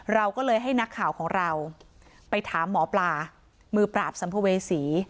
เราก็เลยให้นักข่าวของเราไปถามหมอปลามือปราบสัมภเวษี